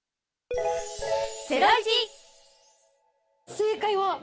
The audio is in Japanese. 正解は？